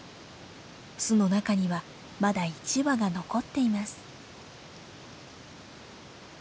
巣の中にはまだ１羽が残っています。